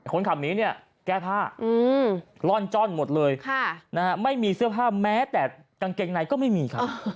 คนขับนี้เนี่ยแก้ผ้าล่อนจ้อนหมดเลยไม่มีเสื้อผ้าแม้แต่กางเกงในก็ไม่มีครับ